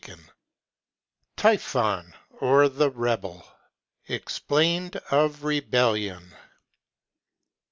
—TYPHON, OR A REBEL. EXPLAINED OF REBELLION.